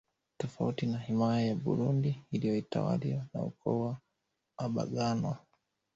Tofauti na himaya ya burundi iliyotawaliwa na ukoo wa abaganwa